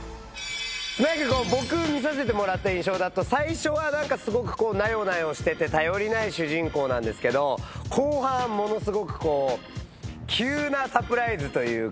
僕見させてもらった印象だと最初はすごくなよなよしてて頼りない主人公なんですけど後半ものすごく急なサプライズというか。